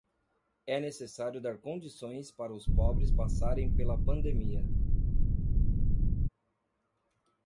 É necessário dar condições para os pobres passarem pela pandemia